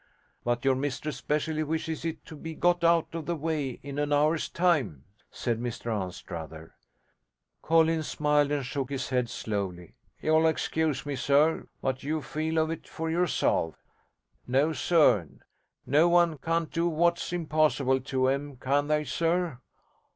'But your mistress specially wishes it to be got out of the way in an hour's time,' said Mr Anstruther. Collins smiled and shook his head slowly. 'You'll excuse me, sir, but you feel of it for yourself. No, sir, no one can't do what's impossible to 'em, can they, sir?